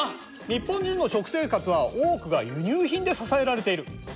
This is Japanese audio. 日本人の食生活は多くが輸入品で支えられている。